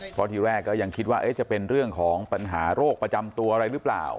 เพราะทีแรกก็ยังคิดว่าจะเป็นเรื่องของปัญหาโรคประจำตัวอะไรหรือเปล่า